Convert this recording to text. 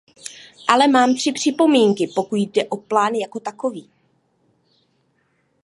Ale mám tři připomínky, pokud jde o plán jako takový.